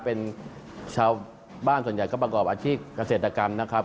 เป็นชาวบ้านส่วนใหญ่ก็ประกอบอาชีพเกษตรกรรมนะครับ